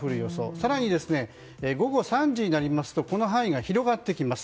更に、午後３時になりますとこの範囲が広がっていきます。